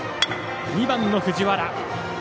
２番の藤原。